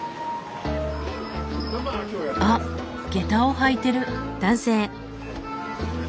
あっゲタを履いてる。